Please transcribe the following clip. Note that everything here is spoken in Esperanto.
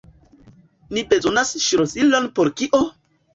Ni bezonas ŝlosilon por kio?